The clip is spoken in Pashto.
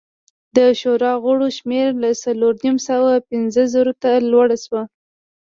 د شورا غړو شمېر له څلور نیم سوه څخه زرو ته لوړ شو